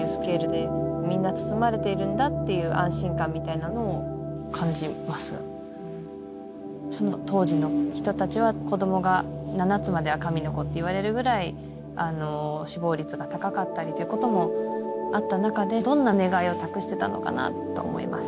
人一人を包むとかじゃなくてもうその当時の人たちは子供が「７つまでは神の子」って言われるぐらい死亡率が高かったりということもあった中でどんな願いを託してたのかなあと思います。